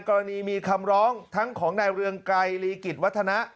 กรณีมีคำร้องทั้งของนายเรืองไกรลีกิจวัฒนะ